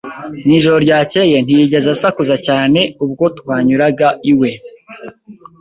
Mu ijoro ryakeye, ntiyigeze asakuza cyane ubwo twanyuraga iwe.